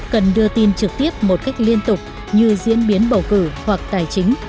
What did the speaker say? cần đưa tin trực tiếp một cách liên tục như diễn biến bầu cử hoặc tài chính